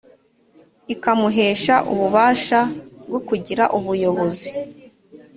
ikamuhesha ububasha bwo kugira ubuyobozi